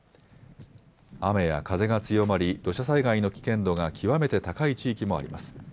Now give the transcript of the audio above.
雨や風が強まり、土砂災害の危険度が極めて高い地域もあります。